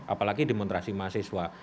apalagi demonstrasi mahasiswa